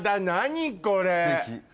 何これ。